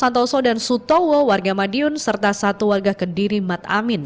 santoso dan sutowo warga madiun serta satu warga kediri mat amin